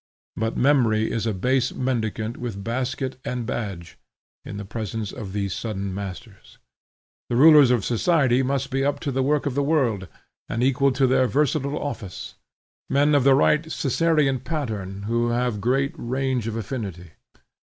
But memory is a base mendicant with basket and badge, in the presence of these sudden masters. The rulers of society must be up to the work of the world, and equal to their versatile office: men of the right Caesarian pattern, who have great range of affinity.